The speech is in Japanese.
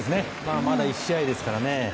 まだ１試合ですからね。